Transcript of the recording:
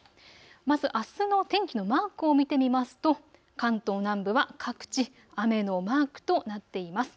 まず、あすの天気のマークを見てみますと、関東南部は各地雨のマークとなっています。